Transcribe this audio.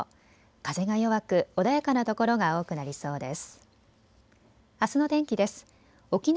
風が弱く穏やかなところが多くなりそうです。